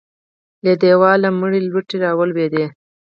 له دېواله مړې لوټې راولوېدې.